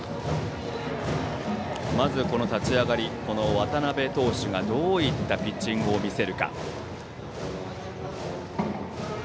まず、立ち上がり渡辺投手がどういったピッチングを見せるか。